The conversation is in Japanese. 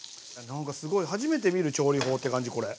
なんかすごい初めて見る調理法って感じこれ。